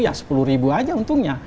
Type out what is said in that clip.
ya sepuluh ribu aja untungnya